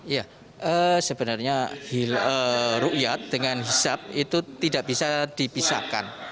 ya sebenarnya rukyat dengan hisap itu tidak bisa dipisahkan